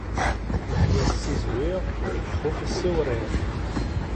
Leḥya tessizwiɣ, lxuf issiwṛiɣ.